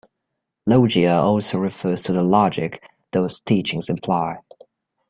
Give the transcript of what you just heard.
Logia also refers to the logic those teachings imply.